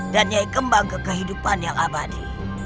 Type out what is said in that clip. dan nyai kembang ke kehidupan yang abadi